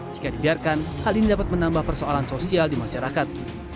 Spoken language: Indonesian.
jika dibiarkan hal ini dapat menambah persoalan sosial di masyarakat